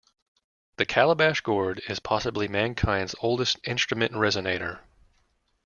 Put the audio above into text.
The calabash gourd is possibly mankind's oldest instrument resonator.